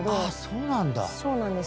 そうなんだ。